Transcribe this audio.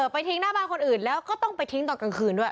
ไปทิ้งหน้าบ้านคนอื่นแล้วก็ต้องไปทิ้งตอนกลางคืนด้วย